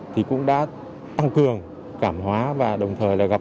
thì cũng đã tăng cường cảm hóa và đồng thời là gặp